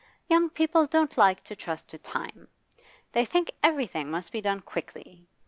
Young people don't like to trust to time; they think everything must be done quickly.